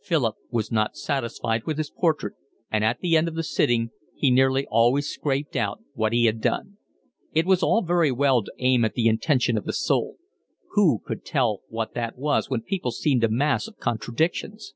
Philip was not satisfied with his portrait, and at the end of a sitting he nearly always scraped out what he had done. It was all very well to aim at the intention of the soul: who could tell what that was when people seemed a mass of contradictions?